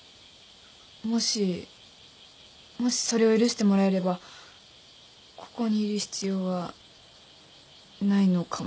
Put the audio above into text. もしもしそれを許してもらえればここにいる必要はないのかも。